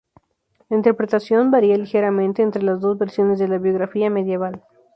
La interpretación varía ligeramente entre las dos versiones de la biografía medieval.